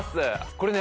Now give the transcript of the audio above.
これね